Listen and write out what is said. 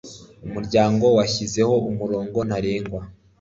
umuryango washyizeho umurongo ntarengwa